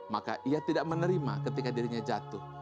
maka ia tidak menerima ketika dirinya jatuh